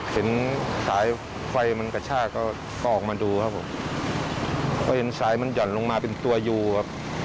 เห็นสายไฟมันกระชากก็ออกมาดูครับผมก็เห็นสายมันหย่อนลงมาเป็นตัวอยู่ครับ